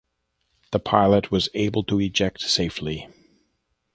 The pilot was able to eject safely.